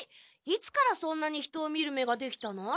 いつからそんなに人を見る目ができたの？